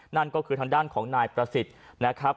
นั่นก็คือทางด้านของนายประสิทธิ์นะครับ